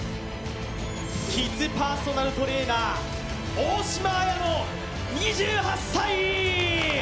キッズパーソナルトレーナー、大嶋あやの２８歳。